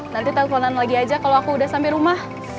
nanti teleponan lagi aja kalau aku udah sampai rumah